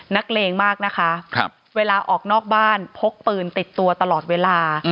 เลงมากนะคะเวลาออกนอกบ้านพกปืนติดตัวตลอดเวลา